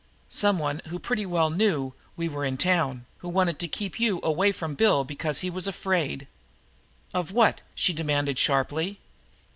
Someone who pretty well knew we were in town, who wanted to keep you away from Bill because he was afraid " "Of what?" she demanded sharply.